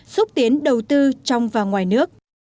xúc tiến đầu tư trong và ngoài nước